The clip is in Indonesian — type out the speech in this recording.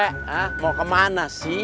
hah mau kemana sih